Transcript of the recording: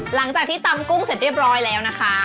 หลังจากที่ตำกุ้งเสร็จเรียบร้อยแล้วนะคะ